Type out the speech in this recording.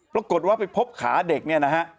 ปรากฏว่าไปพบขาเด็กเนี่ยนะฮะ